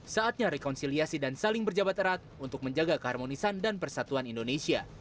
saatnya rekonsiliasi dan saling berjabat erat untuk menjaga keharmonisan dan persatuan indonesia